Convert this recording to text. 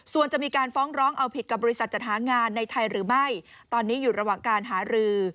ส่วนจะมีการฟ้องร้องเอาผิดกับบริษัทจัดหางานในไทยหรือไม่ตอนนี้อยู่ระหว่างการหารือ